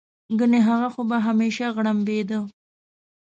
ګنې هغه خو به همېشه غړمبېده.